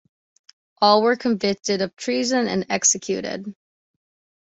All were convicted of treason and executed.